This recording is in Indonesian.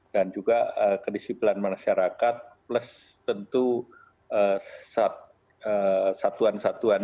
dan juga kedisiplinan masyarakat plus tentu satuan satuan